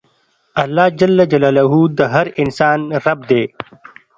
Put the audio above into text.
اللهﷻ د هر انسان رب دی.